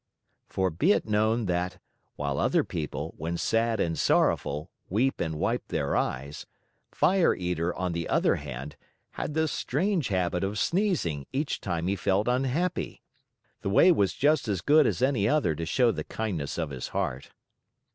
For be it known, that, while other people, when sad and sorrowful, weep and wipe their eyes, Fire Eater, on the other hand, had the strange habit of sneezing each time he felt unhappy. The way was just as good as any other to show the kindness of his heart.